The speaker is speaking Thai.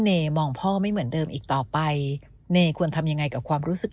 มองพ่อไม่เหมือนเดิมอีกต่อไปเนควรทำยังไงกับความรู้สึก